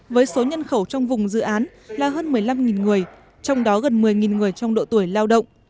với số nhân khẩu trong vùng dự án là hơn một mươi năm người trong đó gần một mươi người trong độ tuổi lao động